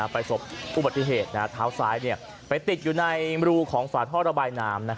ไปศพอุบัติเทศท้าวซ้ายไปติดอยู่ในรูของฝาท่อระบายนาม